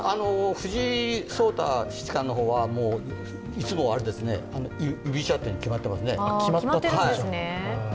藤井聡太七冠の方はいつも居飛車が決まっていますね。